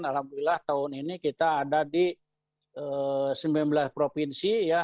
alhamdulillah tahun ini kita ada di sembilan belas provinsi ya